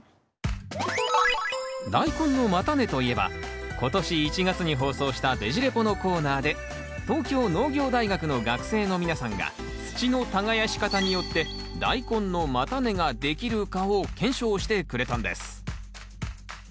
ダイコンの叉根といえば今年１月に放送したベジ・レポのコーナーで東京農業大学の学生の皆さんが土の耕し方によってダイコンの叉根ができるかを検証してくれたんです。